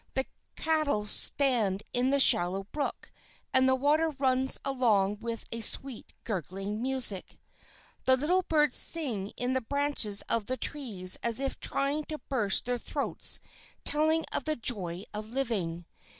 The cattle stand in the shallow brook, and the water runs along with a sweet gurgling music. The little birds sing in the branches of the trees as if trying to burst their throats telling of the joy of living.